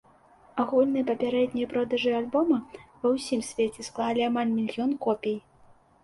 Агульныя папярэднія продажы альбома ва ўсім свеце склалі амаль мільён копій.